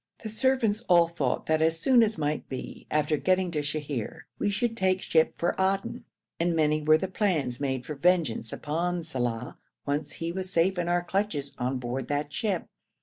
The servants all thought that as soon as might be after getting to Sheher we should take ship for Aden, and many were the plans made for vengeance upon Saleh once he was safe in our clutches on board that ship.